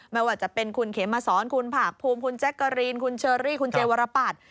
ไม่ว่าจะเป็นคุณเขมสอนคุณภาคภูมิคุณแจ๊กกะรีนคุณเชอรี่คุณเจวรปัตย์